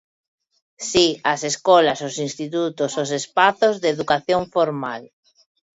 Si: as escolas, os institutos, os espazos de educación formal.